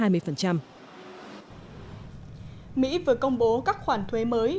mỹ vừa công bố các khoản thuế mới